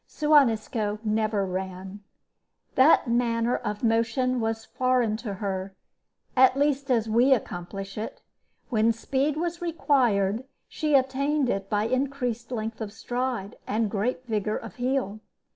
Suan Isco never ran. That manner of motion was foreign to her, at least as we accomplish it. When speed was required, she attained it by increased length of stride and great vigor of heel.